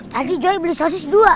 tadi gaya beli sosis dua